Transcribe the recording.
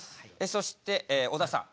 そしてえ小田さん。